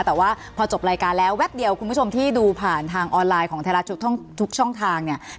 แต่ว่าพอจบรายการแล้วแป๊บเดียวคุณผู้ชมที่ดูผ่านทางออนไลน์ของไทยรัฐทุกช่องทางเนี่ย